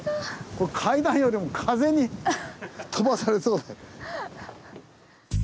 これ階段よりも風に飛ばされそうで。